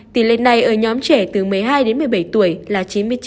tỷ lệ này ở nhóm trẻ từ một mươi hai đến một mươi bảy tuổi là chín mươi chín chín mươi tám